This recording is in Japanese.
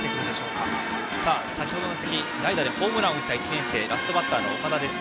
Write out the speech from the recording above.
先程の打席代打でホームランを打ったラストバッターの岡田です。